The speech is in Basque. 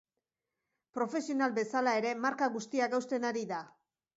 Profesional bezala ere marka guztiak hausten ari da.